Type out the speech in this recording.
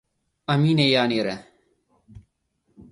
ኣሚነያ ነይረ።